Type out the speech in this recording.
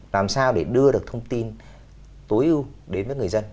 làm sao để đưa được thông tin tối ưu đến với người dân